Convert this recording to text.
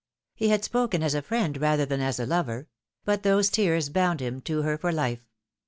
He had spoken as a friend rather than as a lover ; but those tears bound him to her for life.